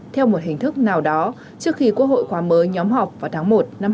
theo một hình thức nào đó trước khi quốc hội khóa mới nhóm họp vào tháng một năm hai nghìn hai mươi